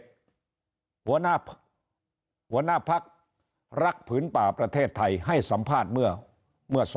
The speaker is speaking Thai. หัวหน้าหัวหน้าพักรักผืนป่าประเทศไทยให้สัมภาษณ์เมื่อ๒๕๖